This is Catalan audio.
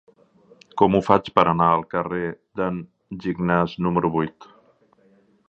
Com ho faig per anar al carrer d'en Gignàs número vuit?